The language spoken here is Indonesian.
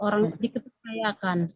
orang itu dipercayakan